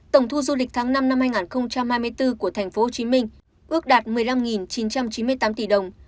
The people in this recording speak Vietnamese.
tổng thu du lịch tháng năm năm hai nghìn hai mươi bốn của tp hcm ước đạt một mươi năm chín trăm chín mươi tám tỷ đồng